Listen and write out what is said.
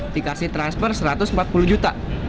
dikasih transfer satu ratus empat puluh juta